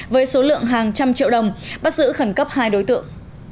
với số lượng hàng trăm triệu đồng bắt giữ khẩn cấp hai đối tượng